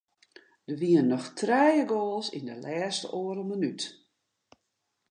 Der wiene noch trije goals yn de lêste oardel minút.